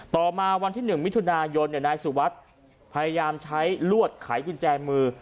ต่อมาวันที่๑มิถุนายนนายสุวัสดิ์พยายามใช้ลวดไขกุญแจมือ